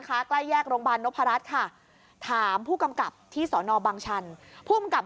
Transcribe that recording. ใกล้แยกโรงพยาบาลนพรัชค่ะถามผู้กำกับที่สอนอบังชันผู้กำกับ